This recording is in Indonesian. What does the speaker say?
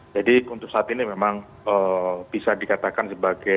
jadi untuk saat ini memang bisa dikatakan sebagai